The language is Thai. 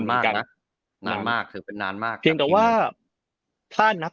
มากนะนานมากถือเป็นนานมากเพียงแต่ว่าถ้านับ